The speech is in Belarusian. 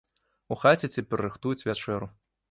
У хаце цяпер рыхтуюць вячэру.